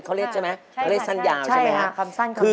เขาเรียกใช่ไหมเขาเรียกสั้นยาวใช่ไหมครับ